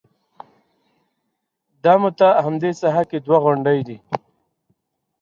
د موته همدې ساحه کې دوه غونډۍ دي.